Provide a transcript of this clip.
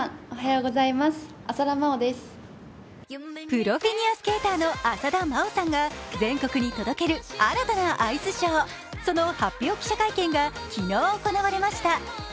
プロフィギュアスケーターの浅田真央さんが全国に届ける新たなアイスショーその発表記者会見が昨日行われました。